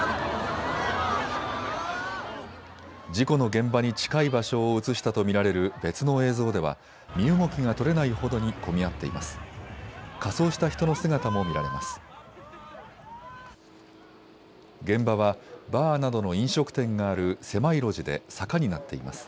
事故の現場に近い場所を映したと見られる別の映像では身動きが取れないほどに混み合っています。